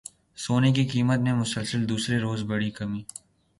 سونے کی قیمت میں مسلسل دوسرے روز بڑی کمی